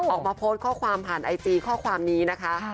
ออกมาโพสต์ข้อความผ่านไอจีข้อความนี้นะคะ